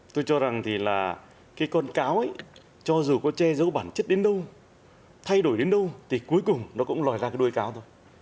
tôi cho rằng thì là cái con cáo ấy cho dù có che giấu bản chất đến đâu thay đổi đến đâu thì cuối cùng nó cũng lòi ra cái đuôi cáo thôi